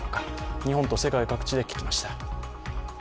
日本と世界各地で聞きました。